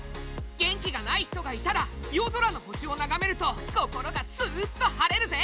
元気がない人がいたら夜空の星を眺めると心がスーッと晴れるぜ！